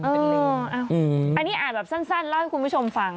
อันนี้อ่านแบบสั้นเล่าให้คุณผู้ชมฟัง